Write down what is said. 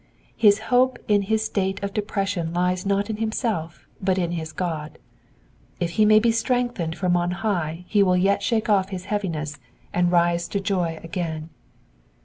His hope in his state of depression lies not in himself, but in his God ; if he may be strengthened from on high he will yet shake off his . heaviness and rise to joy a^in.